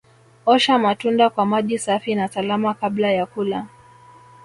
Osha matunda kwa maji safi na salama kabla ya kula